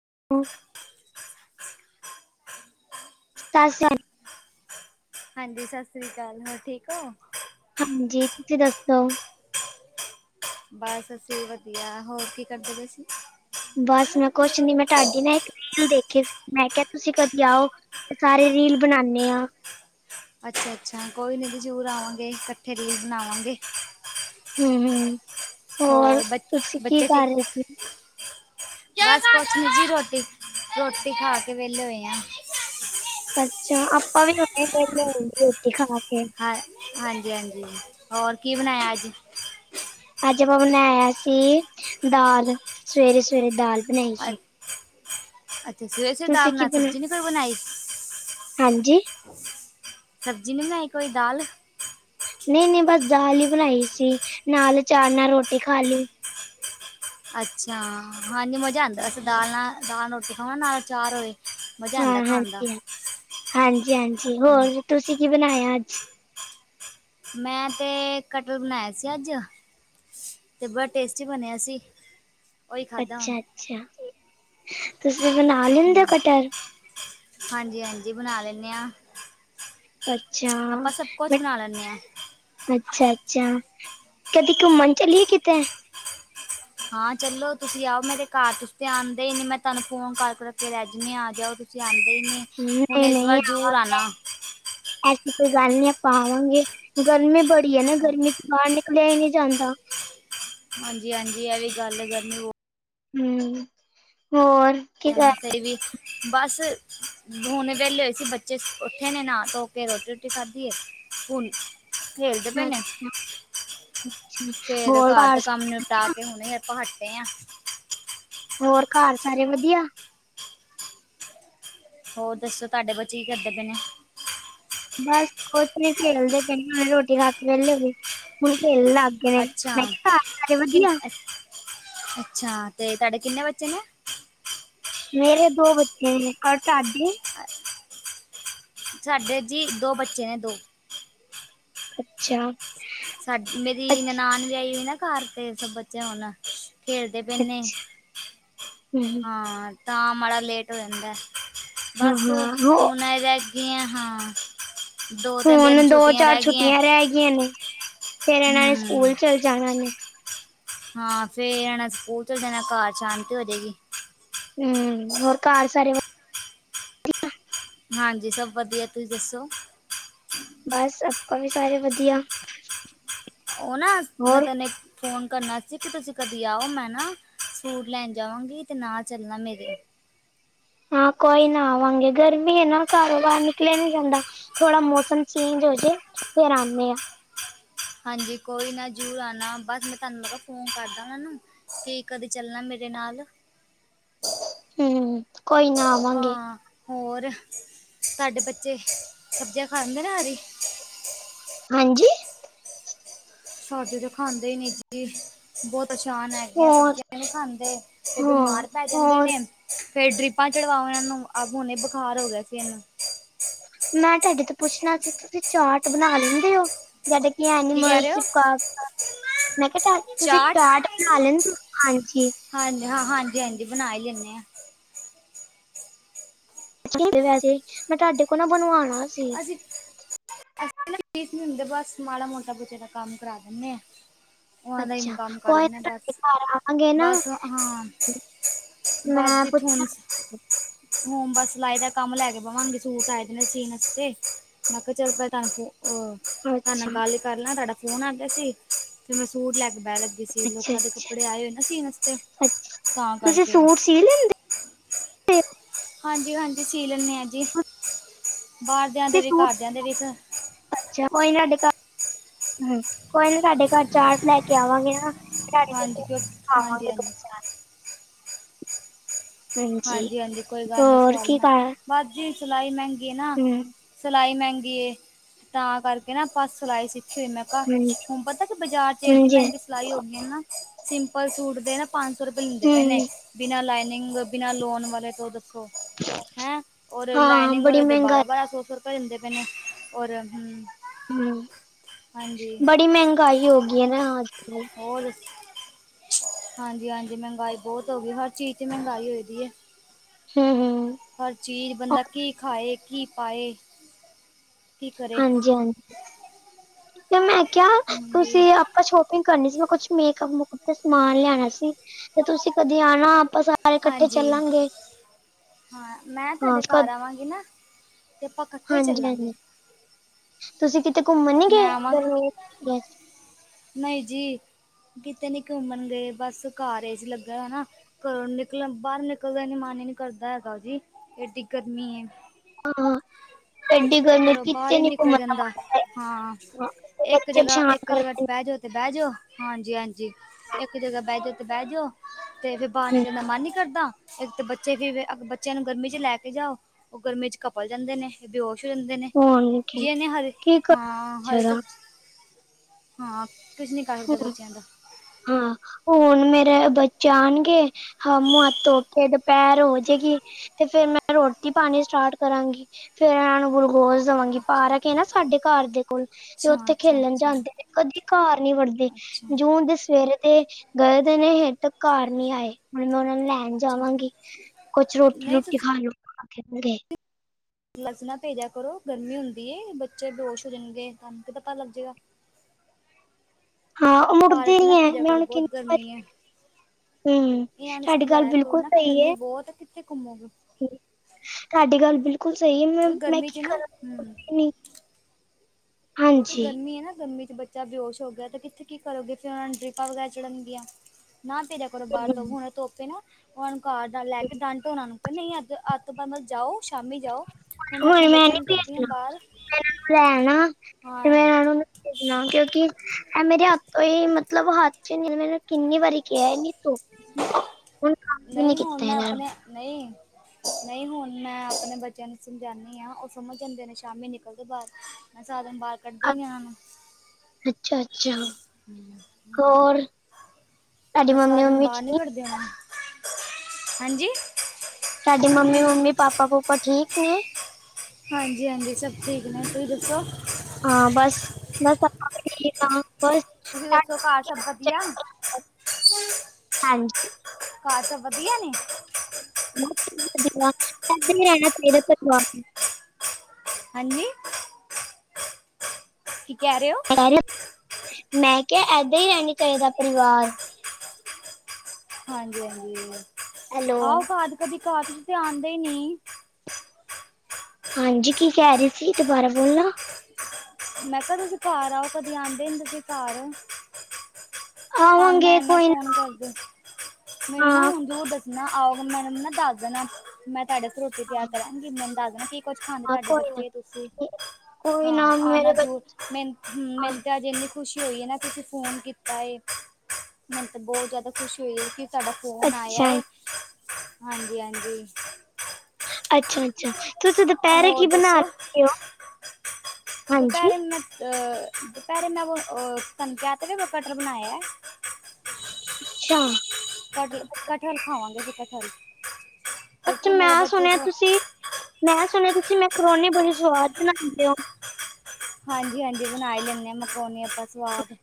[unintelligible] [unintelligible] ਹਾਂਜੀ ਸਤਿ ਸ੍ਰੀ ਅਕਾਲ ਹੋਰ ਠੀਕ ਹੋ ਹਾਂਜੀ ਤੁਸੀਂ ਦੱਸੋ ਬਸ ਜੀ ਵਧੀਆ ਹੋਰ ਕੀ ਕਰਦੇ ਤੁਸੀਂ ਬਸ ਮੈਂ ਕੁਛ ਨੀ ਮੈਂ ਤੁਹਾਡੀ ਨਾ ਇੱਕ ਰੀਲ ਦੇਖੀ ਸੀ ਮੈਂ ਕਿਹਾ ਤੁਸੀਂ ਕਦੇ ਆਓ ਸਾਰੇ ਰੀਲ ਬਣਾਉਂਦੇ ਹਾਂ ਅੱਛਾ ਅੱਛਾ ਕੋਈ ਨੀ ਜੀ ਜ਼ਰੂਰ ਆਵਾਂਗੇ ਇਕੱਠੇ ਰੀਲ ਬਣਾਵਾਂਗੇ ਹਮ ਹਮ ਹੋਰ ਬ ਤੁਸੀਂ ਕੀ ਬੱਚੇ ਠੀਕ ਕਰ ਰਹੇ ਸੀ ਬਸ ਕੁਛ ਨ ਜੀ ਰੋਟੀ ਰੋਟੀ ਖਾ ਕੇ ਵਿੇਹਲੇੇ ਹੋਏ ਆ ਅੱਛਾ ਆਪਾਂ ਵੀ ਹੁਣੇ ਵਿਹਲੇ ਆ ਰੋਟੀ ਖਾ ਕੇ ਹਾਂ ਹਾਂਜੀ ਹਾਂਜੀ ਹੋਰ ਕੀ ਬਣਾਇਆ ਅੱਜ ਅੱਜ ਆਪਾਂ ਬਣਾਇਆ ਸੀ ਦਾਲ ਸਵੇਰੇ ਸਵੇਰੇ ਦਾਲ ਬਣਾਈ ਅ ਸਾ ਅੱਛਾ ਸਵੇਰੇ ਸਵੇਰੇ ਦਾਲ ਨਾਲ ਬਣਾ ਸਬਜ਼ੀ ਨੀ ਕੋਈ ਬਣਾਈ ਹਾਂਜੀ ਸਬਜ਼ੀ ਨਹੀਂ ਬਣਾਈ ਕੋਈ ਦਾਲ ਨਹੀਂ-ਨਹੀਂ ਬਸ ਦਾਲ ਹੀ ਬਣਾਈ ਸੀ ਨਾਲ ਚਾਰ ਨਾਲ ਰੋਟੀ ਖਾ ਲਈ। ਅੱਛਾ ਹਾਂਜੀ ਮਜਾ ਆਦਾ ਅਸੇ ਦਾਲ ਨਾਲ ਦਾਲ ਰੋਟੀ ਖਾਣਾ ਨਾਲ ਚਾਰ ਹੋਏ। ਮਜ਼ਾ ਹਾਂ, ਆਉਂਦਾ ਖਾਣ ਦਾ ਹਾਂਜੀ-ਹਾਂਜੀ-ਹਾਂਜੀ ਹਮ, ਹੋਰ ਤੁਸੀਂ ਕੀ ਬਣਾਇਆ ਅੱਜ? ਮੈਂ ਤੇ ਕਟਰਲ ਬਣਾਇਆ ਸੀ ਅੱਜ, ਅਤੇ ਬੜਾ ਟੇਸਟੀ ਬਣਿਆ ਸੀਂ। ਅੱਛਾ ਅੱਛਾ ਤੁਸੀਂ ਬਣਾ ਲੈਂਦੇ ਕਟਰ, ਹਾਂਜੀ ਹਾਂਜੀ ਬਣਾ ਲੈਂਦੇ ਹਾਂ। ਅੱਛਾ ਆਪਾਂ ਸਭ ਕੁਛ ਅ ਬਣਾ ਲੈਂਦੇ ਹਾਂ ਅੱਛਾ ਅੱਛਾ ਕਦੀ ਘੁੰਮਣ ਚੱਲਏ ਕਿਤੇ, ਹਾਂ ਚਲੋ ਤੁਸੀਂ ਆਓ, ਮੇਰੇ ਘਰ ਤੁਸੀ ਤੇ ਆਦੇ ਹੀ ਨੀ ਮੈਂ ਤੁਹਾਨੂੰ ਫੋਨ ਕਰਕੇ ਰੱਖ ਰਹਿ ਜਵੇ ਆ ਜਾਓ। ਤੁਸੀ ਆਂਦੇ ਹੀ ਨਹੀਂ ਹੁਣ ਇਸ ਵਾਰ ਨਹੀਂ ਜ਼ਰੂਰ ਆਵਾਂਗੇ ਆਣਾ। ਐਸੀ ਕੋਈ ਗੱਲ ਨੀ ਆਪਾਂ ਆਵਾਂਗੇ ਗਰਮੀ ਬੜੀ ਹੈ ਨਾ ਗਰਮੀ ਤੋਂ ਬਾਰ ਨਿਕਲਿਆ ਈ ਨੀ ਜਾਂਦਾ। ਹਾਂਜੀ ਹਾਂਜੀ ਇਹ ਵੀ ਗੱਲ ਕਰਨੀ ਬਹੁ ਹੂੰ, ਜਿਥੇ ਵੀ, ਬਸ ਹੁਣੇ ਵੇਲੇ ਏ ਸੀ ਬੱਚੇ ਉੱਥੇ ਨੇ ਨਾ ਧੋ ਕੇ ਰੋਟੀ ਰੋਟੀ ਖਾਧੀ ਐ। ਬੱਚੇ ਖੇਲਦੇ ਪਏ ਅੱਛਾ ਨੇ, ਫੇਰ ਘਰ ਦੇ ਕੰਮ ਨਿਪਟਾ ਕੇ ਹੁਣੇ ਆਪ ਆਪਾਂ ਹੱਟੇ ਆ। ਹੋਰ ਘਰ ਸਾਰੇ ਵਧੀਆ? ਹੋਰ ਦੱਸੋ ਤੁਹਾਡੇ ਬੱਚੇ ਕਰਦੇ ਪਏ ਨੇ? ਬਸ ਕੁਛ ਨੀ ਖੇਲਦੇ ਪੈਦੇ ਹੁਣੇ ਰੋਟੀ ਖਾ ਕੇ ਵਹਲੇ ਹੋ ਵੀ ਹੁਣ ਖੇਲ ਲੱਗੇ ਨੇ ਅੱਛਾ ਮੈਂ ਕਿਹਾ ਘਰ ਸਾਰੇ ਕਿੰਨ ਵਧੀਆ? ਅ- ਅੱਛਾ ਤੇ ਤੁਹਾਡੇ ਕਿੰਨੇ ਬੱਚੇ ਨੇ? ਮੇਰੇ ਦੋ ਬੱਚੇ, ਔਰ ਤੁਹਾਡੇ? ਸਾਡੇ ਜੀ ਦੋ ਬੱਚੇ ਨੇ ਦੋ, ਅੱਛਾ, ਸਾ ਮੇਰੀ ਅੱਛਾ ਨਨਾਾਨ ਲਿਆਈ ਹੋਈ ਨਾ ਘਰ ਤੇ ਸ ਬੱਚੇ ਹੁਣ, ਖੇਡਦੇ ਪਏੇ ਅੱਛਾ ਹਮ ਹਾਂ ਤਾਂ ਮਾੜਾ ਲੇਟ ਹੋ ਜਾਂਦਾ। ਬਸ ਹਾਂ ਹੋ ਹੁਣ ਹੀ ਲਹਿ ਗੀ ਆ। ਹੁਣ ਦੋ ਚਾਰ ਛੁੱਟੀਆਂ ਰਹਿ ਗਈਆਂ ਨੇ ਫੇਰ ਇਹਨਾਂ ਨੇ ਹਮ ਸਕੂਲ ਚਲੇ ਜਾਣਾ ਨੇ, ਹਾਂ ਫੇਰ ਆਣਾ ਸਕੂਲ ਚ ਜਾਣਾ ਘਰ ਸ਼ਾਂਤੀ ਹੋ ਜਾਏਗੀ। ਹੂੰ, ਹੋਰ ਘਰ ਸਾਰੇ? ਹਾਂਜੀ, ਸਭ ਵਧੀਆ ਤੁਸੀਂ ਦੱਸੋ? ਬਸ ਆਪਾਂ ਵੀ ਸਾਰੇ ਵਧੀਆ, ਉਹ ਨਾ ਮੈਂ ਹੋਰ ਤੈਨੇ ਫੋਨ ਕਰਨਾ ਸੀ ਕਿ ਤੁਸੀਂ ਕਦੀ ਆਓ ਮੈਂ ਨਾ ਸੂਟ ਲੈਣ ਜਾਵਾਂਗੀ ਤੇ ਨਾ ਚੱਲਣਾ ਮੇਰੇ, [unintelligible] ਹਾਂ ਕੋਈ ਨਾ ਆਵਾਂਗੇ ਗਰਮੀ ਹੈ ਨਾ ਘਰੋ ਬਾਹਰ ਨਿਕਲਿਆ ਨੀ ਜਾਂਦਾ ਥੋੜਾ ਮੌਸਮ ਚੇਂਜ ਹੋਜੇ। ਫਿਰ ਆਨੇ ਆ, ਹਾਂਜੀ ਕੋਈ ਨਾ ਜ਼ੂਰਰ ਆਣਾ ਬਸ ਮੈਂ ਤੁਹਾਨੂੰ ਪਰ ਫੋਨ ਕਰਦਾ ਉਹਨਾਂ ਨੂੰ ਕੀ ਕਦੇ ਚੱਲਣਾ ਮੇਰੇ, ਮੇਰੇ ਨਾਲ, ਹੂੰ, ਕੋਈ ਨਾ ਆਵਾਂਗੇ। ਹਾਂ ਹੋਰ ਤੁਹਾਡੇ ਬੱਚੇ ਸਬਜ਼ੀਆਂ ਖਾਂਦੇ ਨੇ ਹਰੀ, ਹਾਂਜੀ, ਸਾਦ ਤੇ ਖਾਂਦੇ ਹੀ ਨੀ ਜੀ ਬਹੁਤ, ਪਰੇਸ਼ਾਨ ਹੈਗੇ ਹੋਰ ਸਬਜ਼ੀਆਂ ਨੀ ਖਾਂਦੇ ਤੇ ਹਾਂ ਬਿਮਾਰ ਪੈ ਜਾਂਦੇ ਹੋਰ ਨੇ, ਫੇਰ ਡਰਿਪਾਂ ਚੜਵਾਓ ਇਹਨਾਂ ਨੂੰ ਆ ਹੁਨੇ ਬੁਖਾਰ ਹੋ ਗਿਆ ਸੀ ਇਹਨੂੰ ਮੈਂ ਤੁਹਾਡੇ ਤੋਂ ਪੁੱਛਣਾ ਸੀ ਤੁਸੀਂ ਚਾਟ ਬਣਾ ਲੈਂਦੇ ਔ। ਜਿਹੜਾ ਕਿ ਕੀ ਕਹਿ ਐਨੀਮਲ ਰਹੇ ਹੋ ਚਿਪਕ ਮੈਂ ਕਿਹਾ। ਤੁਸੀਂ ਚਾਟ ਬਣਾ ਲੈਦੇ ਹੋ ਹਾਂਜੀ, ਹਾਂਜੀ-ਹਾਂਜੀ ਬਣਾ ਹੀ ਲੈਂਨੇ ਆ [inaudible] ਮੈ ਤੁਹਾਡੇ ਕੋਲੋਨੇ ਬਨਵਾਣਾ, ਅਸੀ [unintelligible] ਹੁੰਦੇ ਬਸ ਮਾੜਾ ਮੋਟਾ ਬੱਚੇ ਦਾ ਕੰਮ ਕਰਾ ਦਿੰਦੇ ਆ ਉਨਾ ਦਾ ਈ ਅੱਛਾ ਕੰਮ ਕਰ ਕੋਈ ਨਾ ਲੈਂਦੇ ਆ ਤੁਹਾਡੇ ਘਰ ਆਵਾਂਗੇ ਨਾ ਬਸ-ਬਸ ਹਾਂ [unintelligible] ਮੈਂ ਪੁੱਛਣਾ ਹੁਣ ਬਸ ਸਲਾਈ ਦਾ ਕੰਮ ਲੈ ਕੇ ਭਵਾਂਗੇ ਸੂਟ ਆਏ ਨੇ ਸਿਨ ਵਾਸਤੇ ਮੈਂ ਕਿਹਾ ਚਲ ਪ ਉਹ ਤੁਹਾਡੇ ਨਾਲ ਅੱਛਾ ਗੱਲ ਹੀ ਕਰ ਲਾਂ ਤੁਹਾਡਾ ਫੋਨ ਆ ਗਿਆ ਸੀ ਤੇ ਮੈਂ ਸੂਟ ਲੈ ਕੇ ਬਣ ਲੱਗੀ ਸੀ ਅੱਛਾ ਲੋਕਾਂ ਦੇ ਅੱਛਾ ਕੱਪੜੇ ਆਏ ਹੋਏ ਨਾ ਸੀਣ ਵਾਸਤੇ ਅੱਛਾ ਤਾਂ ਤੁਸੀਂ ਕਰਕੇ ਸੂਟ ਸੀ ਲੈਂਦੇ [unintelligible] [unintelligible] ਹਾਂਜੀ-ਹਾਂਜੀ ਸੀ ਲੈਦੇ ਹਾਂ ਜੀ ਬਾਹਰਦਿਆਂ ਤੁਸੀਂ ਦੇ ਵੀ, ਸੂਟ ਘਰਦਿਆਂ ਦੇ ਵੀ ਹੂੰ, ਕੋਈ ਨੀ ਤੁਹਾਡੇ ਘਰ ਚਾਟ ਲੈਕੇ ਆਵਾਂਗੇ ਨਾ ਡੈਡੀ, ਕੋ, ਹਾਂਜੀ ਕੋ, ਕਿਉਂ ਹਾਂ, ਹਾਂਜੀ ਆਪਣੇ ਹਾਂਜੀ ਹਾਂਜੀ- ਹਾਂਜੀ ਕੋਈ ਗੱਲ ਨੀ, ਹੋਰ ਕੀ ਸਵਾਲਨਾ ਕਰ ਬਾਸ ਜੀ ਸਿਲਾਈ ਮਹਿੰਗੀ ਏਨਾ- ਹਮ, ਸਿਲਾਈ ਮਹਿੰਗੀ ਏ ਤਾਂ ਕਰਕੇ ਨਾ, ਆਪਾਂ ਸਿਲਾਈ ਸਿੱਖ ''ਮੈਂ ਕਿਹਾ ਹਾਂਜੀ ਹੁਣ ਪਤਾ ਕੀ ਬਾਜ਼ਾਰ'ਚ ਏਡੀ ਹਾਂਜੀ ਮਹਿੰਗੀ ਸਿਲਾਈ ਹੋ ਗਈ ਏ ਨਾ, ਸਿੰਪਲ ਸੂਟ ਦੇ ਨਾ ਪਾੰਜਸੌ ਰੁਪਏ ਲੈਂਦੇ ਪਏ ਹਮ, ਨੇ, ਬਿਨਾਂ ਲਾਈਨਿੰਗ ਬਿਨਾਂ ਲੋਨ ਵਾਲੇ ਤੋਂ ਦੱਸੋ ਹੈਂ, ਔਰ ਹਾਂ ਲਾਈਨਿੰਗ ਬੜੀ ਵਾਲੇ ਦੇ ਮਹਿੰਗਾਈ ਬਾਰਾਂ- ਬਾਰਾਂ ਸੋਸੋ ਸ ਲੀਂਦੇ ਪਏ ਨੇ, ਔਰ ਹੂੰ, ਹਾਂਜੀ ਬੜੀ ਮਹਿੰਗਾਈ ਹੋ ਗਈ ਹੈ, ਨਾ ਹ ਹੋਰ ਹਾਂਜੀ- ਹਾਂਜੀ ਮਹਿੰਗਾਈ ਬਹੁਤ ਹੋ ਗਈ ਹਰ ਚੀਜ਼'ਚ ਮਹਿੰਗਾਈ ਹੋਈਦੀ ਹੈ ਹੂੰ, ਹੂੰ ਹਰ ਚੀਜ਼ ਬੰਦਾ ਕੀ ਖਾਏ ਕੀ ਪਾਏ ਕੀ ਕਰੇ ਹਾਂਜੀ, ਹਾਂਜੀ ਤੇ ਮੈਂ ਕਿਹਾ ਹਾਂਜੀ ਤੁਸੀਂ ਆਪਾਂ ਸ਼ੋਪਿੰਗ ਕਰਨੀ ਸੀ ਮੈਂ ਕੁਛ ਮੇਕਅਪ ਮੁਕੁਪ ਦਾ ਸਮਾਨ ਲਿਆਣਾ ਸੀ ਤੇ ਤੁਸੀਂ ਕਦੇ ਆਣਾ ਸਾਰੇ ਇਕੱਠੇ ਹਾਂਜੀ, ਚੱਲਾਂਗੇ ਹਾਂ ਮੈਂ ਹਾਂ ਤੁਹਾਡੇ ਕਦ ਘਰ ਆਵਾਂਗੀ ਨਾ ਤੇ ਆਪਾਂ ਇਕੱਠਾ ਹੀ ਹਾਂਜੀ ਚੱਲਾਂਗੇ। ਹਾਂਜੀ ਤੁਸੀਂ ਕਿਤੇ ਘੁੰਮਣ ਨੀ ਮੈ ਗਏ ਆਵ [unintelligible] ਗਰਮੀ ਵਿੱਚ? ਨਹੀ ਜੀ, ਕਿਤੇ ਨੀ ਘੁੰਮਣ ਗਏ ਬਸ ਕਾਰ ਚ ਲੱਗਾ ਹਨਾ ਘਰੋਂ ਨਿਕਲਣ ਬਾਹਰ ਨਿਕਲਦਾ ਇਨਾ ਮਨ ਹੀ ਨੀ ਕਰਦਾ ਹੈਗਾ ਜੀ ਇਹਡੀ ਗਰਮੀ ਹੈ। ਹੂੰ, ਏਡੀ ਗੱਲ ਘਰੋਂ ਬਾਹਰ ਕੀਤੀ ਹੀ ਨੀ ਤੇ ਨਿਕਲ ਜਾਂਦਾ [unintelligible] ਹਾਂ, ਇੱਕ ਜਗ੍ਹਾ- ਇੱਕ ਜਗ੍ਹਾ ਕਰਦੇ ਬਹਿਜੋ ਤੇ, ਬਹਿਜੋ ਹਾਂਜੀ- ਹਾਂਜੀ ਇੱਕ ਜਗ੍ਹਾ ਬਹਿ ਜੋ, ਤੇ ਬਹਿ ਜੋ, ਤੇ ਫਿਰ ਬਾਹਰ ਨੇ ਨਿਕਲਣ ਦਾ ਮਨ ਨਹੀਂ ਕਰਦਾ ਇੱਕ ਤਾਂ, ਬੱਚੇ ਫ ਬੱਚਿਆਂ ਨੂੰ ਗਰਮੀ'ਚ ਲੈਕੇ ਜਾਓ, ਉਹ ਗਰਮੀ' ਚ ਘਪਲ ਜਾਂਦੇ ਨੇ ਬਓ ਦੇਂਦੇ ਨੇ, ਫੋਨ ਜੇ ਕੇ ਇਹਨੇ ਹਰ [unintelligible] ਕੀ ਕਰ -ਹਾੰ। ਬੱਚੇ ਦਾ ਹੂੰ, ਹਾਂ- ਹੁਣ ਮੇਰੇ ਇਹ ਬੱਚੇ ਆਣਗੇ ਹਾਂ, ਮੂੰਹ-ਹੱਥ ਧੋਕੇ ਦੁਪਹਿਰ ਹੋਜੇਗੀ, ਤੇ ਫੇਰ ਮੈਂ ਰੋਟੀ ਪਾਣੀ ਸਟਾਰਟ ਕਰਾਂਗੀ ਫੇਰ, ਇਹਨਾਂ ਨੂੰ ਗੋਲਕੋਸ਼ ਜਾਵਾਂਗੀ ਪਾਰ ਆਕੇ ਨਾ ਸਾਡੇ ਘਰ ਦੇ ਕੋਲ, ਤੇ ਅੱਛਾ ਉੱਥੇ ਅੱਛਾ ਖੇਲਣ ਅੱਛਾ ਜਾਂਦੇ ਕਦੀ ਘਰ ਨੀ ਵੜਦੀ ਅੱਛਾ ਜੂਨ ਦੇ ਸਵੇਰੇ ਤੇ, ਗਏ ਦਿਨ ਹਜੇ ਤਕ ਢਕਾਰ ਨੀ ਆਏ। ਹੁਨ ਓਨਾ ਨੂੰ ਲੈਣ ਅੱਛਾ ਜਾਵਾਂਗੀ, ਕੁਛ ਰੋਟੀ- ਨਹੀਂ ਰੋਟੀ ਖਾਲੂ ਆਕੇ ਘਰੇ ਕਲੱਸ ਨਾ ਪੇਜਿਆ ਕਰੋ ਗਰਮੀ ਹੁੰਦੀ ਏ, ਬੱਚੇ ਬੇਹੋਸ਼ ਹੋ ਜਾਣਗੇ, ਤੁਹਾਨੂੰ ਕਿ ਪਤਾ ਲੱਗ ਜੇਗਾ। [unintelligible] ਹਾਂ, ੳਹ ਮੁੜਦੇ ਨੀ ਹੈ ਹੂੰ, ਬਹੁਤ ਗਰਮੀ ਹੈ ਇਹਨਾਂ ਨੂੰ ਤੁਹਾਡੀ ਗੱਲ ਸਮਝਾਇਆ ਕਰੋ ਬਿਲਕੁਲ ਨਾ ਕਿ ਸਹੀ ਗਰਮੀ ਏ। ਬਹੁਤ ਹੈ ਕਿੱਥੇ ਘੁਮੋਗੇ? ਤੁਹਾਡੀ ਗੱਲ ਬਿਲਕੁਲ ਸਹੀ ਏ, ਮੈਂ, ਕਿਉਂਕਿ ''ਮੇਂ ਗਰਮੀ ਕੀ 'ਚ ਨਾ ਹੂੰ ਕਰਾਂ ਕਿਉਂਕਿ ਹਾਂਜੀ ਗਰਮੀ ਐਨਾ, ਗਰਮੀ'ਚ- ਬੱਚਾ ਬੇਉਸ਼ ਹੋ ਗਿਆ, ਤੇ ਕਿੱਥੇ ਕੀ ਕਰੋਗੇ। ਫਿਰ ਉਹਨਾਂ ਨੂੰ ਡ੍ਰਿਪਾਂ ਵਗੈਰਾ ਚੜਨਗੀਆਂ। ਨਾ ਭੇਜਿਆ ਕਰੋ, ਤੋਂ ਬਾਹਰ ਤੋਂ ਹੁਣ ਧੁੱਪ ਏ ਨਾ, ਹੁਣ ਘਰ ਦਾ ਲੈਕੇ ਡਾਂਟੋ ਨਾ ਉਹਨੂੰ, ਤੇ ਨਹੀਂ ਅੱਜ - ਤੋਂ ਬਾਅਦ ਮਤ ਜਾਓ। ਸ਼ਾਮੀ ਜਾਓ। ਹੁਣ ਮੈਂ ਆਪਣੇ ਬੱਚਿਆਂ ਨੀ ਨੂੰ ਕੱਢਦੀ ਹਾਂ, ਭੇਜਣਾ ਬਾਹਰ ਮੈਂ ਇਹਨਾਂ ਨੂੰ ਲੈਣਾ ਤੇ, ਹਾਂ ਮੈਂ ਉਹਨਾਂ ਭੇਜਣਾ, ਕਿਉਂਕਿ ਇਹ ਮੇਰੇ ਆਪ ਤੋਂ ਇਹ ਮਤਲਬ ਹੱਥ'ਚ ਨੇ, ਮੈ ਇਨ੍ਹਾਂ ਨੂੰ ਕਿੰਨੀ ਵਾਰੀ ਕਿਹਾ ਇੰਨੀ ਧੋ ਨਹੀਂ, ਹੁਣ ਮੈਂ ਆਪਣੇ ਨਈ ਨਈ, ਹੁਣ ਮੈਂ ਆਪਣੇ ਬੱਚਿਆਂ ਨੂੰ ਸਮਝਾਨੀ ਆਂ, ਉਹ ਸਮਝ ਜਾਂਦੇ ਨੇ ਸ਼ਾਮੀ ਨਿਕਲਦੇ ਨੇ ਬਾਹਰ। ਸਾਰਾ ਦਿਨ ਬਾਹਰ ਕੱਢਦੇ ਈ ਨੀ ਉਹਨਾਂ ਨੂੰ। ਅੱਛਾ-ਅੱਛਾ। ਤੁਹਾਡੀ ''ਮੈਂ'ਸਾਰਾ ਮੰਮੀ ਦਿਨ ਮੰਮੀ ਬਾਹਰ ਨੀ ਠੀਕ ਕੱਢਦੀ ਉਹਨਾਂ ਨੂੰ। ਹਾਂਜੀ। ਤੁਹਾਡੀ ਮੰਮੀ ਮੰਮੀ, ਪਾਪਾ ਪੂਪਾ ਠੀਕ ਨੇ। ਹਾਂਜੀ ਹਾਂਜੀ ਸਭ ਠੀਕ ਨੇ ਤੁਸੀਂ ਦੱਸੋ? ਹਾਂ ਬਸ ਬਸਠ ਹ ਬ [unintelligible] ਤੁਸੀਂ ਦੱਸੋ ਕਾਰ ਘਰ ਸਭ ਵਧੀਆ ਹਾਂਜੀ ਘਰ ਸਭ ਵਧੀਆ ਨੇ। [unintelligible] ਹਾਂਜੀ ਕਿ ਕਹਿ ਰਹੇ ਹੋ? ਮੈਂ ਕਿਹਾ ਏਦਾਂ ਹੀ ਰਹਿਣਾ ਚਾਹੀਦਾ। ਪਰਿਵਾਰ ਹਾਂਜੀ, ਹਾਂਜੀ ਹੈਲੋ, ਆਉ ਘਰ ਕਦੀ। ਘਰ ਚ ਤੇ ਆਉਂਦੇ ਹੀ ਨਹੀ। ਹਾਂਜੀ, ਕੀ ਕਹਿ ਰਹੀ ਸੀ। ਦੁਬਾਰਾ ਬੋਲਣਾ ਮੈਂ ਕਿਹਾ ਤੁਸੀਂ ਘਰ ਆਓ। ਕਦੇ ਆਉਂਦੇ ਨੇ ਤੁਸੀਂ ਘਰ ਤੁਹਾਨੂੰ ''ਮੈਂ ਆਵਾਂਗੇ ਐਨੇ ਕੋਈ ਨਾ ਫੋਨ ਕਰਦੀ ਮੈਨੂੰ ਨਾ, ਹਾਂ। ਹੁਣ ਜ਼ਰੂਰ ਦੱਸਣਾ। ਆਓ, ਮੈਨੂੰ ਨਾ ਦੱਸ ਦੇਣਾ ''ਮੈਂ ਤੁਹਾਡੇ ਵਾਸਤੇ ਰੋਟੀ ਤਿਆਰ ਕਰਾਂਗੀ। ਮੈਨੂੰ ਦੱਸ ਦੇਣਾ ਕੀ - ਕੁਛ ਖਾਂਦੇ ਹਾਂ ਤੁਹਾਡੇ ਕੋਈ ਨਾ, ਬੱਚੇ ਤੁਸੀਂ ਕੋਈ ਨਾ ਹਾਂ। ਆਣਾ ਮੇਰੇ ਬੱਚ ਜਰੂਰ, ਮਿਨ ਹਾਂ ਮਿਨਤੇ ਅੱਜ ਇੰਨੀ ਖੁਸ਼ੀ ਹੋਈ ਏ ਨਾ ਤੁਸੀਂ ਫੋਨ ਕੀਤਾ ਏ, ਮੈਨੂੰ ਤੇ ਬਹੁਤ ਜ਼ਿਆਦਾ ਖੁਸ਼ੀ ਹੋਈ ਹੈ। ਕਿਉ ਤੁਹਾਡਾ ਫੋਨ ਆਇਆ ਅੱਛਾ, ਏ। ਹਾਂਜੀ-ਹਾਂਜੀ। ਅੱਛਾ-ਅੱਛਾ। ਤੁਸੀ ਦੁਪਹਿਰੇ ਹੋਰ ਕੀ ਬਣਾ ਦੱਸੋ ਚੁੱਕੇ ਹੋ? ਹਾਂਜੀ। ਦੁਪਹਿਰੇ ਮੈਂ ਅ, ਦੁਪਹਿਰੇ ਮੈਂ ਵੋ, ਉਹ ਤਾਨੂੰ ਕਿਹਾ ਤੇ ਦੇ, ''ਮੈਂ ਪਟਰ ਬਣਾਏ ਐ। ਅੱਛਾ ਕਟ ਕਠਲ ਖਾਵਾਂਗੇ। ਅਸੀ ਕਠਲ ਅੱਛਾ ਮੈਂ ਸੁਣਿਆ ਤੁਸੀਂ, ਮੈਂ ਸੁਣਿਆ ਤੁਸੀਂ ਮੈਂ ਕਰੋਨੀ ਬੜੀ ਸਵਾਦ ਬਣਾਉਂਦੇ ੳ। ਹਾਂਜੀ, ਹਾਂਜੀ ਬਣਾਈ ਲੈਂਦੇ ਆ। ਮਕਰੋਨੀ ਆਪਾਂ ਸਵਾਦ।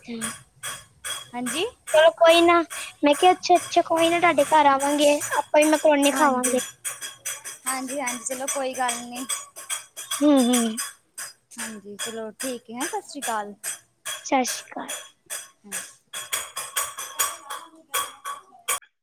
[unintelligible] ਹਾਂਜੀ ਚਲੋ, ਕੋਈ ਨਾ ਮੈਂ ਕਿਹਾ ਅੱਛਾ-ਅੱਛਾ ਕੋਈ ਨਾ ਤੁਹਾਡੇ ਘਰ ਆਵਾਂਗੇ। ਵੀ ਮੈਕਰੋਨੀ ਹਾਂਜੀ, ਖਾਵਾਂਗੇ, ਹਾਂਜੀ, ਹਾਂਜੀ ਚਲੋ ਕੋਈ ਗੱਲ ਨੀ। ਹੂੰ, ਹੂੰ ਹਾਂਜੀ, ਚਲੋ ਠੀਕ ਹੈਂ। ਸਤਿ ਸ਼੍ਰੀ ਅਕਾਲ। ਸਤਿ ਸ਼੍ਰੀ ਅਕਾਲ। ਹਮ [unintelligible]